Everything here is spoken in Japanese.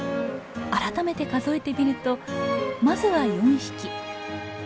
改めて数えてみるとまずは４匹。